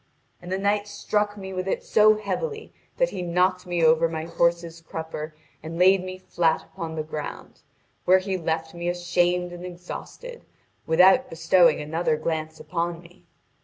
And the knight struck me with it so heavily that he knocked me over my horse's crupper and laid me flat upon the ground, where he left me ashamed and exhausted, without bestowing another glance upon me.